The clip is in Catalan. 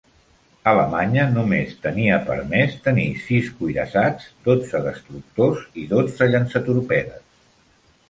Alemanya només tenia permès tenir sis cuirassats, dotze destructors i dotze llançatorpedes.